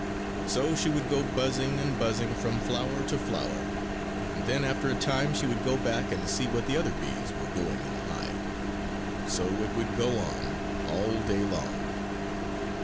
So she would go buzzing and buzzing from flower to flower; and then after a time she would go back and see what the other bees were doing in the hive. So it would go on all day long.